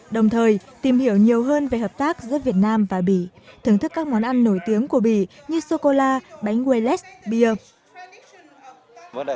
đồng thời tìm hiểu nhiều hơn về hợp tác giữa việt nam và bỉ thưởng thức các món ăn nổi tiếng của bỉ như sô cô la bánh waelles bia